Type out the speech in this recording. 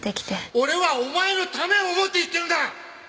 俺はお前のためを思って言ってるんだ！